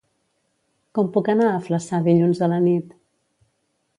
Com puc anar a Flaçà dilluns a la nit?